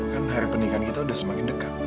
kan hari pernikahan kita udah semakin dekat